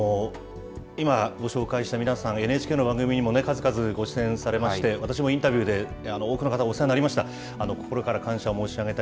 今、ご紹介した皆さん、ＮＨＫの番組にも数々ご出演されまして、私もインタビューで多くの方、お世話になりました。